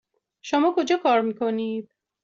شما کجا کار میکنید؟